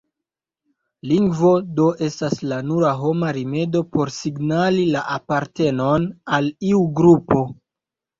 Lingvo do estas la nura homa rimedo por signali la apartenon al iu grupo.